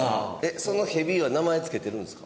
そのヘビは名前付けてるんですか？